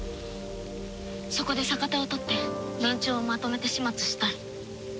そこで逆手を取って連中をまとめて始末したい。